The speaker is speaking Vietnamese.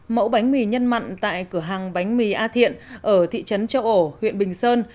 mẫu bánh mì nhân mặn tại cửa hàng bánh mì a thiện ở thị trấn châu ổ huyện bình sơn